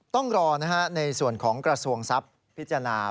ต้องรอในส่วนของกระทรวงทรัพย์พิจารณา